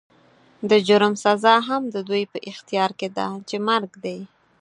د جرم سزا هم د دوی په اختيار کې ده چې مرګ دی.